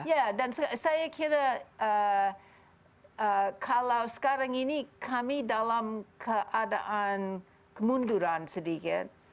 ya dan saya kira kalau sekarang ini kami dalam keadaan kemunduran sedikit